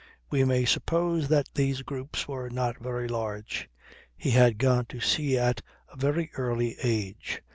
We may suppose that these groups were not very large. He had gone to sea at a very early age.